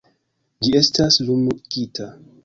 - Ĝi estas lumigita...